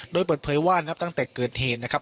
โดยเปิดเผยว่านับตั้งแต่เกิดเหตุนะครับ